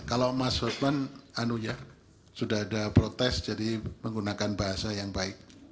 kalau mas hotman anu ya sudah ada protes jadi menggunakan bahasa yang baik